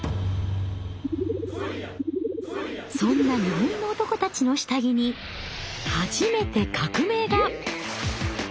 そんな日本の男たちの下着に初めて革命が！